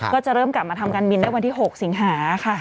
ก็จะเริ่มกลับมาทำการบินได้วันที่๖สิงหาค่ะ